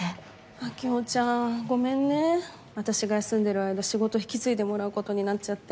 晶穂ちゃんごめんね私が休んでる間仕事引き継いでもらうことになっちゃって。